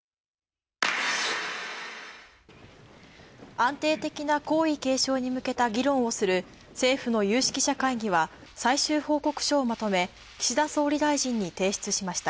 安定的な皇位継承に向けた議論をする政府の有識者会議は、最終報告書をまとめ、岸田総理大臣に提出しました。